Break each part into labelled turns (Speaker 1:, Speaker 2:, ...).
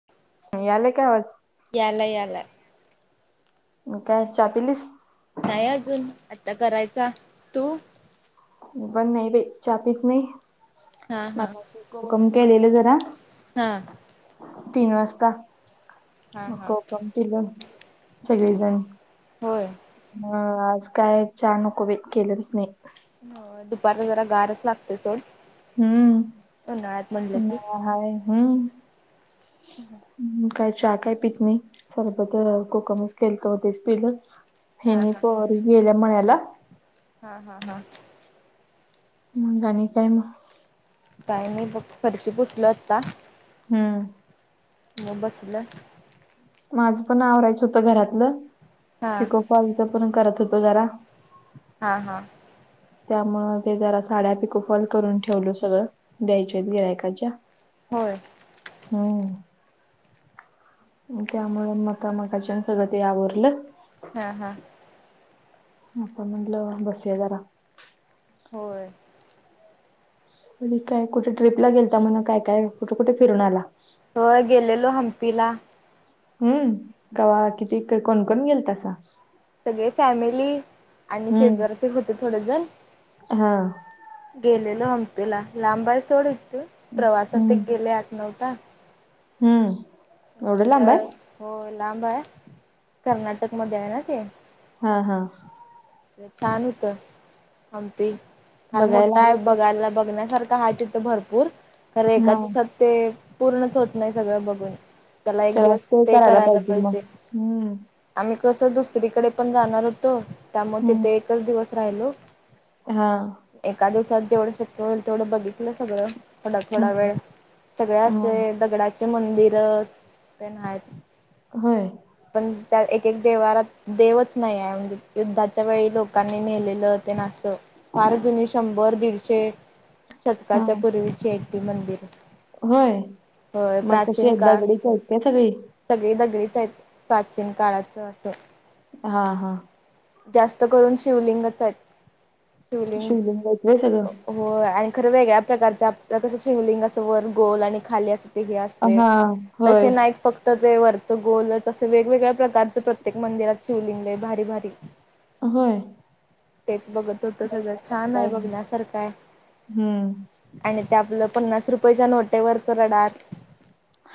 Speaker 1: [inaudible]
Speaker 2: यालय का आवाज?
Speaker 1: यालाय यालाय.
Speaker 2: मग काय च्या पिलीस?
Speaker 1: नाही अजून आत्ता करायचा तू?
Speaker 2: मी पण नाही बाई चाह पीत नाही
Speaker 1: हा हा
Speaker 2: मगाशी कोकम केलेलं जरा.
Speaker 1: हां.
Speaker 2: तीन वाजता
Speaker 1: हा
Speaker 2: मग
Speaker 1: हा
Speaker 2: कोकम पिलं सगळीजण
Speaker 1: होय
Speaker 2: मग आज काय चाह नको बाई केलंलच नाही.
Speaker 1: दुपारच जरा गारच लागतय सोड.
Speaker 2: हम्म
Speaker 1: उन्हाळ्यात म्हणलं की
Speaker 2: उन्हाळा हाय, हम्म.
Speaker 1: [inaudible]
Speaker 2: हम्म काय चहा काय पित नाही सरबत कोकमच केलत तेच पिलं. हेनी,
Speaker 1: हा
Speaker 2: पोरी गेल्या मळ्याला.
Speaker 1: हा हा हा.
Speaker 2: मंग आणि काय मग?
Speaker 1: काय नाही बघ फरशी पुसलो आता.
Speaker 2: हम्म.
Speaker 1: मग बसलं.
Speaker 2: माझ पण आवरायचं होत घरातलं,
Speaker 1: हा
Speaker 2: पीको फॉलच पण करत होतो जरा.
Speaker 1: हां हां.
Speaker 2: त्यामूळ ते जरा साड्या पिकोफॉल करून ठेवलो सगळं. द्यायच्यात गिरायकाच्या
Speaker 1: होय
Speaker 2: हम्म. त्यामुळं मता मगाच्यान सगळं ते आवरलं.
Speaker 1: हा हा.
Speaker 2: आता म्हणलं बसूया जरा.
Speaker 1: होय.
Speaker 2: तुम्ही काय कुठे ट्रिपला गेलता म्हणा काय, काय कुठे, कुठे फिरून आला?
Speaker 1: होय गेलेलो हम्पी ला.
Speaker 2: हम्म, कवा किती कोण, कोण गेलतसा.
Speaker 1: सगळी फॅमिली आणि
Speaker 2: हम्म
Speaker 1: शेजाराचे होते थोडेजण.
Speaker 2: हा.
Speaker 1: गेलेलो हंपीला लांब आहे सोड इथून प्रवासात ते
Speaker 2: हम्म
Speaker 1: गेले आठ, नऊ तास.
Speaker 2: हम्म. एवढं लांब आहे
Speaker 1: त्यानंतर हो लांब हाय कर्नाटक मध्ये आहेना ते.
Speaker 2: हा हा.
Speaker 1: छान होत. हंपी फार
Speaker 2: बघायला
Speaker 1: मोठा आहे
Speaker 2: आली तर
Speaker 1: बघायला बघण्यासारखा आहे तिथं भरपूर खरं एका
Speaker 2: हा
Speaker 1: दिवसात ते पूर्णच होत नाही सगळं बघून. त्याला एक
Speaker 2: चला
Speaker 1: दिवस
Speaker 2: ते
Speaker 1: स्टे करायला
Speaker 2: मग
Speaker 1: पाहिजे.
Speaker 2: हम्म
Speaker 1: आम्ही कसं दुसरीकडे पण जाणार होतो त्यामुळे
Speaker 2: हम्म
Speaker 1: तिथे एकच दिवस राहिलो.
Speaker 2: हा.
Speaker 1: एका दिवसात जेवढं शक्य होईल तेवढं बघितलं सगळं. थोडा,
Speaker 2: हम्म
Speaker 1: थोडा वेळ सगळे
Speaker 2: हा
Speaker 1: असे दगडाचे मंदिर ते नाहीत.
Speaker 2: होय.
Speaker 1: पण त्या एक, एक देवारात देवच नाही आहे म्हणजे युद्धाच्या वेळी लोक लोकांनी नेलेलं तेन असं. फार जुनी शंभर, दीडशे
Speaker 2: हा
Speaker 1: शतकाच्या पूर्वीची आहे ती मंदिर.
Speaker 2: होय,
Speaker 1: होय
Speaker 2: मग कशी
Speaker 1: प्राचीन
Speaker 2: आहेत
Speaker 1: काळ
Speaker 2: दगडीच आहेत काय सगळी?
Speaker 1: सगळी दगडीच आहेत प्राचीन काळाचं असं.
Speaker 2: हा हा.
Speaker 1: जास्त करून शिवलिंगच आहेत शिवलिंग
Speaker 2: आहेत व्हय सगळं?
Speaker 1: हो आणि खरं वेगळ्या प्रकारच्या कसं शिवलिंग असं वर गोल आणि खाली असं वेगळ असतेय.
Speaker 2: हा
Speaker 1: तसे
Speaker 2: होय
Speaker 1: नाईत फक्त ते वरच गोलच असं वेगवेगळ्या प्रकारचं प्रत्येक मंदिरात शिवलिंगय भारी, भारी.
Speaker 2: होय.
Speaker 1: तेच बघत होतं सगळं छान आहे बघण्यासारख आहे.
Speaker 2: हम्म
Speaker 1: आणि ते आपलं पन्नास रुपयेच्या नोटेवरच रडारं.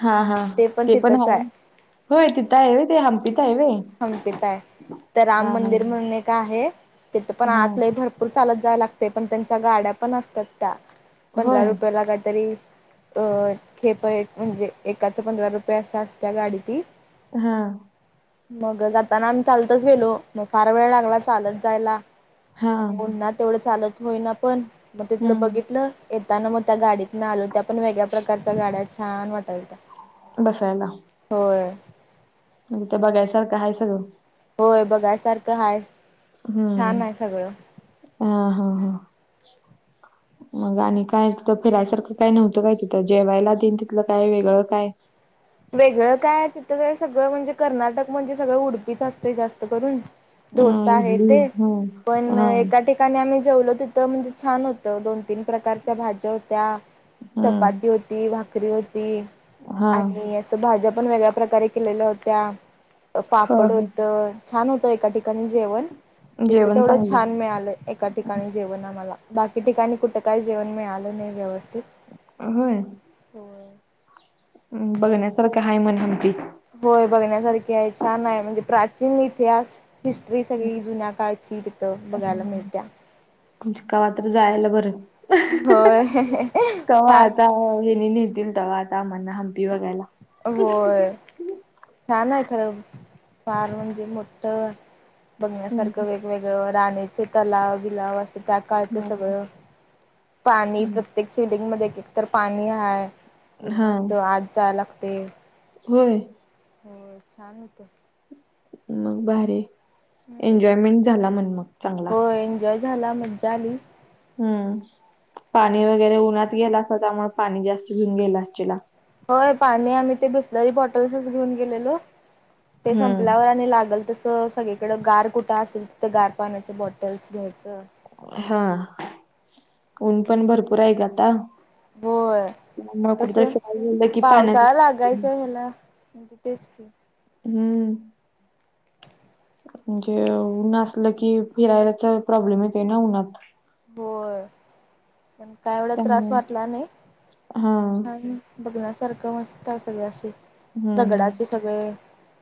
Speaker 2: हा हा.
Speaker 1: ते पण तिथंच हाय.
Speaker 2: होय तिथ हाय व्हय ते हंपीत हाय होय? ह
Speaker 1: हंपीत
Speaker 2: हा हा.
Speaker 1: काय आहे तीथ पण
Speaker 2: हा
Speaker 1: आत लय भरपूर चालत जाव लागते पण त्यांच्या गाड्या पण असत्यात त्या. पंधरा
Speaker 2: होय
Speaker 1: रुपयेला काहीतरी अ खेप आहेत म्हणजे एकाच पंधरा रुपये असा असत्या गाडी ती.
Speaker 2: हा.
Speaker 1: मग जाताना आम्ही चालतच गेलो मग फार वेळ लागला चालत जायला.
Speaker 2: हा
Speaker 1: आणि उन्हात तेवढं चालत होईना पण मग तिथलं
Speaker 2: हम्म
Speaker 1: बघितलं येताना मग त्या गाडीत न आलो त्या पण वेगळ्या प्रकारच्या गाड्या छान वाटत होत्या.
Speaker 2: बसायला.
Speaker 1: होय.
Speaker 2: आन ते बघायसारखं आहे सगळं.
Speaker 1: होय बघायसारखं हाय. छान
Speaker 2: हम्म,
Speaker 1: आहे सगळं
Speaker 2: हा हा हा मग आणि काय तिथं फिरायसारखं काय नव्हतं काय तिथं, जेवायला तेन तिथलं काय वेगळं काय?
Speaker 1: वेगळं काय तिथं जरा सगळं म्हणजे कर्नाटक म्हणजे सगळं उडपीच असतय जास्त करून.
Speaker 2: अ
Speaker 1: डोसा हे
Speaker 2: इडली
Speaker 1: ते,
Speaker 2: हा
Speaker 1: पण
Speaker 2: हा
Speaker 1: एका ठीक ठिकाणी आम्ही जेवलो तिथं म्हणजे छान होतं दोन-तीन प्रकारच्या भाज्या होत्या
Speaker 2: हम्म
Speaker 1: चपाती होती, भाकरी होती
Speaker 2: हा
Speaker 1: हे असं भाज्या पण वेगळ्या प्रकारे केलेल्या होत्या, अ
Speaker 2: हा
Speaker 1: पापड
Speaker 2: हा
Speaker 1: होत छान होतं एका ठिकाणी जेवण, तिथं
Speaker 2: जेवण
Speaker 1: तेवढं
Speaker 2: चांगले
Speaker 1: छान मिळालय एका ठिकाणी जेवण आम्हाला, बाकी ठिकाणी कुठं काही जेवण मिळालं नाही व्यवस्थित.
Speaker 2: होय, अ बघण्यासारखं आहे म्हण हंपी.
Speaker 1: होय बघण्यासारखी आहे छान आहे म्हणजे प्राचीन इतिहास हिस्ट्री सगळी जुन्या काळातली तिथं बघायला मिळत्या.
Speaker 2: म्हणजे कवा तर जायला बरं.
Speaker 1: होय
Speaker 2: कवा
Speaker 1: छान
Speaker 2: आता अ हेनी नेतील तवा आता, आमांना हंपी बघायला.
Speaker 1: होय. छान आहे खरं, फार म्हणजे मोठ
Speaker 2: हम्म
Speaker 1: बघण्यासारखं वेगवेगळं राणीचे तलाव-बिलाव असं त्यात काळच सगळं पाणी
Speaker 2: हम्म.
Speaker 1: प्रत्येक सिलिंग मध्ये एक-एक तर पाणी हाय
Speaker 2: हा
Speaker 1: पूर्ण अस आत जाया लागतंय.
Speaker 2: होय
Speaker 1: होय छान हुत.
Speaker 2: मग भारीे आहे, एन्जॉयमेंट झाला म्हण मग चांगला.
Speaker 1: होय एन्जॉय झाला, मज्जा आली.
Speaker 2: हम्म पाणी वगैरे उन्हात गेल असाल, त्यामुळे पाणी जास्त घेऊन गेला असशीला.
Speaker 1: होय पाणी आम्ही ते बिसलरी बॉटल्सच घेऊन गेलेलो. ते संपल्यावर
Speaker 2: हम्म
Speaker 1: आणि लागल तस सगळे कडं गार कुठं असेल तिथं गार पाण्याच बॉटल्स घ्यायच.
Speaker 2: हा ऊन पण भरपूर आहे ग आता.
Speaker 1: होय,
Speaker 2: त्यामुळे
Speaker 1: कस
Speaker 2: कुठेतरी फिरायला गेलं की
Speaker 1: पावसाळा
Speaker 2: पाण्याचा
Speaker 1: लागायच त ह्याला म्हणजे तेच की.
Speaker 2: हम्म म्हणजे उन असलं की फिरायच प्रॉब्लेम येतय ना उन्हात.
Speaker 1: होय, पण काय एवढा त्रास
Speaker 2: त्यामुळे
Speaker 1: वाटला नाही,
Speaker 2: हां.
Speaker 1: छान बघण्यासारखं मस्त अस सगळ अस
Speaker 2: हं,
Speaker 1: दगडाचे
Speaker 2: हं.
Speaker 1: सगळे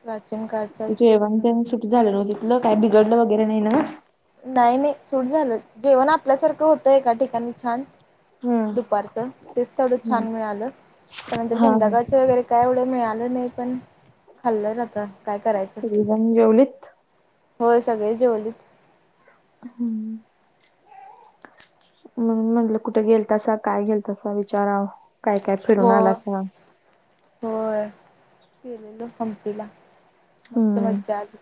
Speaker 1: प्राचीन काळ
Speaker 2: जेवण तेन सुट झालं न्हवं तिथलं, काय बिघडलं वगैरे नाही ना.
Speaker 1: नाही नाही सूट झालं जेवण आपल्यासारखं होतय एका ठिकाणी छान.
Speaker 2: हं,
Speaker 1: दुपारच तेच तेवढं
Speaker 2: हं.
Speaker 1: छान मिळालं, त्यानंतर
Speaker 2: हां, हां.
Speaker 1: संध्याकाळच वगैरे काय एवढं मिळालं नाही पण खाल्लं आता काय कराय
Speaker 2: सगळीजण जेवलीत?
Speaker 1: होय, सगळळी जेवलीत.
Speaker 2: हम्, मग म्हणलं कुठे गेलतासा काय घेलतासा विचारावं. काय काय फिरून
Speaker 1: हो
Speaker 2: आलासा.
Speaker 1: होय. गेलेलो हंपीला. मस्त
Speaker 2: हम्म,
Speaker 1: मज्जा आली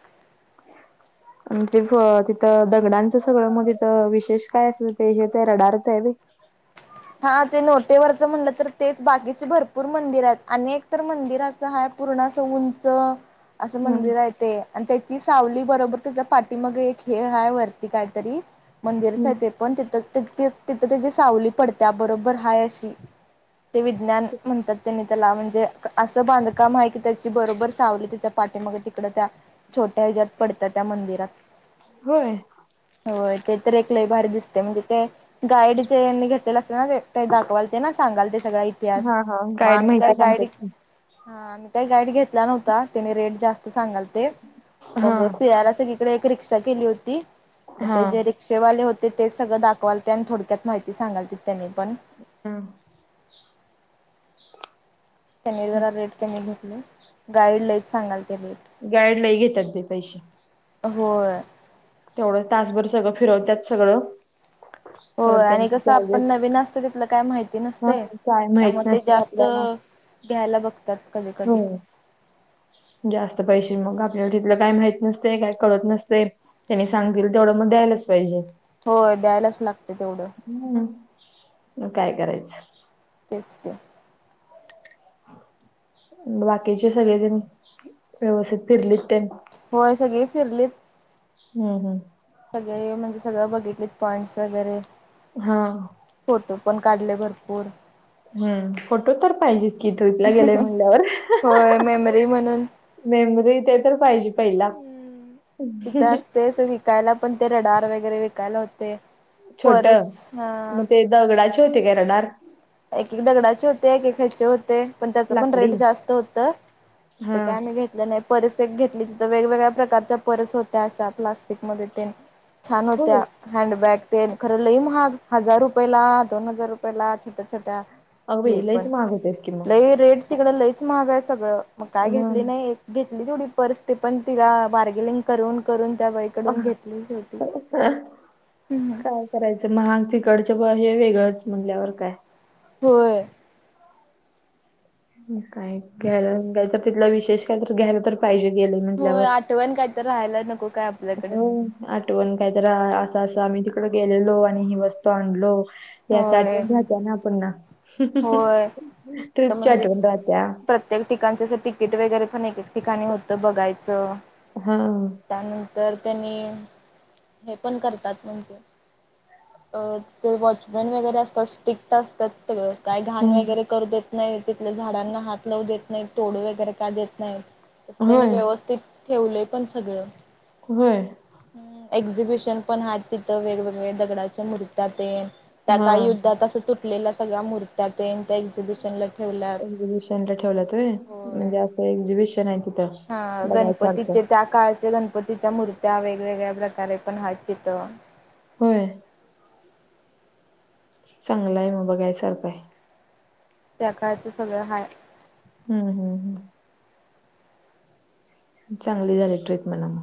Speaker 2: [unintelligible] तिथं दगडांचं सगळं मग तिथं विशेष काय असं ते हेच आहे रडारचं आहे व्हय.
Speaker 1: हा ते नोटेवरच म्हणलं तर तेच बाकीचे भरपूर मंदिर आहेत आणि एक तर मंदिर असं आहे पूर्ण असं उंच असं
Speaker 2: हं,
Speaker 1: मंदिर आहे. ते आणि त्याची सावली बरोबर तुझं पाठी माग एक हे आहे वरती काहीतरी मंदिरच
Speaker 2: हं.
Speaker 1: आहे ते पण तिथं तिथं तिथं त्याची सावली पडत्या बरोबर हाय अशी ते विज्ञान म्हणतात त्यांनी त्याला म्हणजे असं बांधकाम आहे की त्याची बरोबर सावली त्याच्या पाठीमाग तिकडं त्या छोट्या ह्याच्यात पडत्या त्या मंदिरात
Speaker 2: होय.
Speaker 1: होय ते तर एक लही भारी दिसते. म्हणजे ते गाईड चे यांनी घेतलेलं असत ज्या वक्ता दाखवाल ते ना सांगाल ते सगळा इतिहास
Speaker 2: हां, हां.
Speaker 1: मग
Speaker 2: गाईड
Speaker 1: आम्ही काय
Speaker 2: माहिती
Speaker 1: गाईड
Speaker 2: सांगतात की.
Speaker 1: हा आम्ही काही गाईड घेतला नव्हता त्याने रेट जास्त सांगालते मग
Speaker 2: हां,
Speaker 1: पियाला सगळी तिकडे एक रिक्षा केली होती. मग ते
Speaker 2: हां.
Speaker 1: जे रि रिक्षावाले होते तेच सगळं दाखवालते आणि थोडक्यात माहिती सांगालते त्यांनी पण
Speaker 2: हम्म,
Speaker 1: त्यांनी जरा
Speaker 2: हम्म
Speaker 1: रेट कमी घेतले. गाईड लईच सांगालते रेट
Speaker 2: गाईड लय घेतात ते पैसे
Speaker 1: होय.
Speaker 2: तेवढं तासभर सगळं फिरवतात सगळं कारण
Speaker 1: होय आणि
Speaker 2: त्यांचे
Speaker 1: कसं आपण
Speaker 2: चार्जेस
Speaker 1: नवीन असतो. तिथलं काय माहिती
Speaker 2: हा
Speaker 1: नसतंय
Speaker 2: काय माहित
Speaker 1: त्यामुळे ते
Speaker 2: नसते
Speaker 1: जास्त
Speaker 2: आपल्याला
Speaker 1: घ्यायला बघतात कधी कधी
Speaker 2: हो जास्त पैसे मग आपल्याला तिथलं काय माहित नसतंय काय कळतं नसतंय. त्यांनी सांगतील तेवढं मग द्यायलाच पाहिजे.
Speaker 1: होय द्यायलाच लागतं तेवढं.
Speaker 2: हम्म, मग काय करायचं?
Speaker 1: तेच कि,
Speaker 2: बाकीचे सगळे जण व्यवस्थित फिरलीत त्यांन
Speaker 1: होय सगळी फिरलीत.
Speaker 2: हम्म हम्म,
Speaker 1: सगळे म्हणजे सगळं बघितलेत पॉईंटस वगैरे
Speaker 2: हा,
Speaker 1: फोटो पण काढले भरपूर.
Speaker 2: हम्म, फोटो तर पाहिजेच की, ट्रीपला गेलाय म्हणल्यावर.
Speaker 1: होय मेमरी म्हणून
Speaker 2: मेमरी ते तर पाहिजे पहिला
Speaker 1: ते असं विकायला पण ते रडार वगैरे विकायला होते.
Speaker 2: छोटं,
Speaker 1: परस हा
Speaker 2: ते दगडाचे होते का रडार?
Speaker 1: एक एक दगडाचे होते. एक एक ह्याचे होते. पण त्याचं पण रेट
Speaker 2: लाकडी
Speaker 1: जास्त होत.
Speaker 2: हा
Speaker 1: ते काय आम्ही घेत नाही परिस एक घेतली तिथं वेगवेगळ्या प्रकारच्या पर्स होत्या. अशा प्लास्टिक मध्ये तेन छान
Speaker 2: हो
Speaker 1: होत्या हँडबॅग ते खरं लई महाग हजार रुपयाला दोन हजार रुपयाला तस त्या
Speaker 2: अग बाई
Speaker 1: हे पण
Speaker 2: लईच महाग होतेत कि मग
Speaker 1: लई रेट तिकडं लईच महाग आहे सगळं मग काय
Speaker 2: हा
Speaker 1: घेतली नाही एक घेतली तेवढी पर्स ते पण तिला बार्गेर्लिंग करून करून त्या बाईकडून घेतली जाते ह हम्म हम्म
Speaker 2: काय करायचं महाग तिकडचं हो हे वेगळंच म्हणल्यावर काय
Speaker 1: होय
Speaker 2: ह काय घ्यायला काय तर तिथला विशेष काय तर घ्यायला तर पाहिजे गेलंय
Speaker 1: होय
Speaker 2: म्हटल्यावर?
Speaker 1: आठवण काय तर राहायला नको काय आपल्याकडे
Speaker 2: हो. आठवण कायतर असं असं आम्ही तिकड गेलेलो आणि ही वस्तू आणलो. याची
Speaker 1: होय
Speaker 2: आठवण राहत्या ना पुन्हा
Speaker 1: होय
Speaker 2: अअअ
Speaker 1: तर
Speaker 2: ट्रिपच्या
Speaker 1: म्हणजे
Speaker 2: आठवण राहत्या.
Speaker 1: प्रत्येक ठिकाणच असं तिकीट वगैरे पण एक एक ठिकाणी होतं बघायचं
Speaker 2: हा.
Speaker 1: त्यानंतर त्यांनी हे पण करतात म्हणजे. अ ते वॉचमॅन वगैरे असतात स्टिक्ट असतात सगळं. काय घाण
Speaker 2: ह
Speaker 1: वगैरे करू देत नाहीत तिथल्या झाडांना हात लावू देत नाहीत तोडू वगैरे का देत नाहीत. असं त्यांनी
Speaker 2: होय
Speaker 1: व्यवस्थित ठेवलंय पण सगळं.
Speaker 2: होय.
Speaker 1: अ एक्झिबिशन पण आहेत तिथं वेगवेगळ्या दगडाच्या मुर्त्यातेन. त्या का
Speaker 2: हा
Speaker 1: युद्धात असं तुटलेल्या सगळ्या मूर्त्यात तेन एक्झिबिशनल.
Speaker 2: एक्झिबिशन ला ठेवल्यात होय म्हणजे असं एक्झिबिशन आहे तिथं.
Speaker 1: हा
Speaker 2: बघायसारखं
Speaker 1: गणपतीचे त्यात. कालच्या गणपतीच्या मूर्त्या वेगवेगळ्या प्रकारे पण आहेत तिथं
Speaker 2: होय. चांगलय हे मग बघाय सारख आहे.
Speaker 1: त्या काळच सगळं हाय.
Speaker 2: हम्म हम् हम्. चांगली झाली ट्रीप म्हणा म.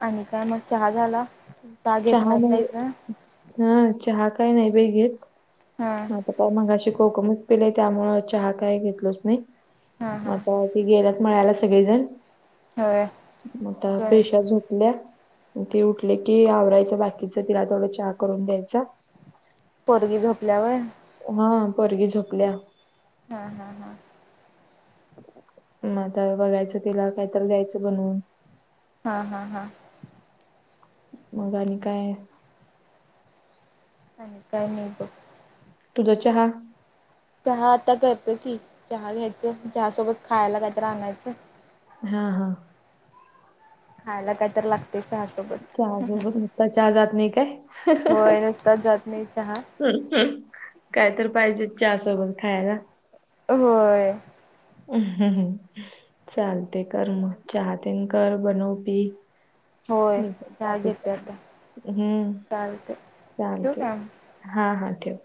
Speaker 1: आणि काय मग चहा झाला.
Speaker 2: चहा
Speaker 1: घेतणार
Speaker 2: म्हणजे
Speaker 1: नाहीस ना?
Speaker 2: ह चहा काय नाही बाई घेत.
Speaker 1: हा
Speaker 2: आता काय मगाशी कोकमच पिलोय त्यामुळच चहा काय घेतलच नाही
Speaker 1: हा
Speaker 2: मग
Speaker 1: हा
Speaker 2: आता. गेलात मळ्याला सगळेजण
Speaker 1: होय
Speaker 2: आता मग
Speaker 1: होय
Speaker 2: पेशा झोपल्या. मग ती उठली की आवरायचं बाकीचं तिला थोडं चहा करून द्यायचा.
Speaker 1: पोरगी झोपल्या होय.
Speaker 2: हा पोरगी झोपल्या.
Speaker 1: हा हा हा.
Speaker 2: मग आता बघायचं तिला कायतर द्यायच बनवून.
Speaker 1: हा हा हा.
Speaker 2: मग आणि काय.
Speaker 1: ह काय नाही बघ.
Speaker 2: तुझं चहा.
Speaker 1: चहा आता करतो की चहा घ्यायच चहा सोबत खायला काय तर आणायचं.
Speaker 2: हा हा.
Speaker 1: खायला काय तर लाग. चहा सोबत अअ
Speaker 2: चहासोबत नुसता चहा जात नाही काय?
Speaker 1: होय नुसतंच जात नाही चहा.
Speaker 2: काय तर पाहिजेच चहा सोबत खायाला
Speaker 1: होय
Speaker 2: हम्म चालतय कर मग चहा तेन कर बनव पी
Speaker 1: होय
Speaker 2: मी पण चहा
Speaker 1: घेते
Speaker 2: पिते
Speaker 1: आता
Speaker 2: हम्म
Speaker 1: चालते ठेवू
Speaker 2: चालतंय
Speaker 1: काय?
Speaker 2: हा-हा ठेव